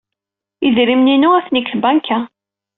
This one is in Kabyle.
Idrimen-inu atni deg tbanka.